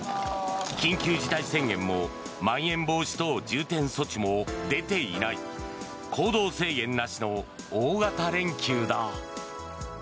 緊急事態宣言もまん延防止等重点措置も出ていない行動制限なしの大型連休だ。